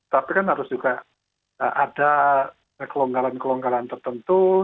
tapi kan harus juga ada kelonggaran kelonggaran tertentu